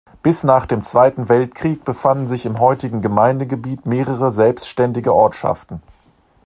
Bis nach dem Zweiten Weltkrieg befanden sich im heutigen Gemeindegebiet mehrere selbstständige Ortschaften.